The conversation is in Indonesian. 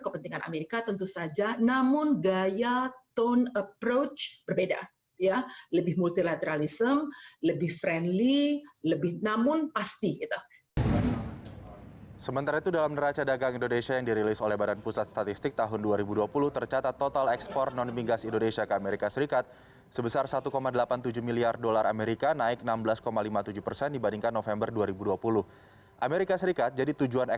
pertanyaan dari pertanyaan pertanyaan pertanyaan